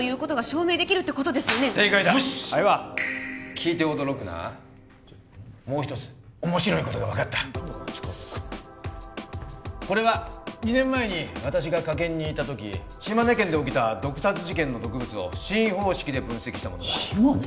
聞いて驚くなもう１つ面白いことが分かったこれは２年前に私が科検にいたとき島根県で起きた毒殺事件の毒物を新方式で分析したものだ島根？